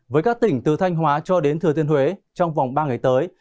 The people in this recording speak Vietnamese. với các tỉnh từ thanh hóa cho đến thừa thiên huế trong vòng ba ngày tới